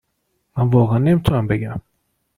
من واقعا نمیتونم بگم